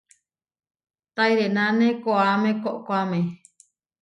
Taʼirénane koʼáme koʼkoáme.